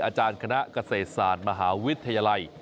อาจารย์คณะเกษตรศาสตร์มหาวิทยาลัย